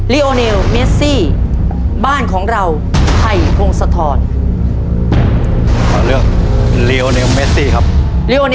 เรียกน้องนิวแล้วจะเลือกเรื่องไหนให้น้องนิวครับตอนนี้เหลือด้วยกันอีก๓เรื่องก็คือเรื่อง